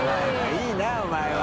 いいなお前は。